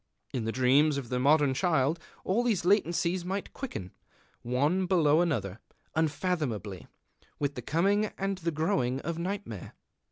In the dreams of the modern child all these latencies might quicken, one below another, unfathomably, with the coming and the growing of nightmare.